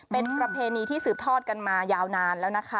เป็นประเพณีที่สืบทอดกันมายาวนานแล้วนะคะ